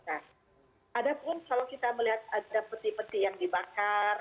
ada pun kalau kita melihat ada peti peti yang dibakar